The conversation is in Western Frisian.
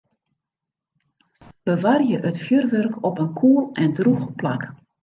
Bewarje it fjurwurk op in koel en drûch plak.